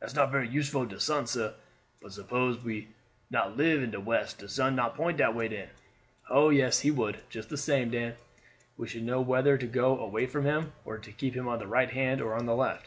"That very useful ob de sun, sah; but suppose we not live in de west de sun not point de way den." "Oh, yes, he would, just the same, Dan. We should know whether to go away from him, or to keep him on the right hand or on the left."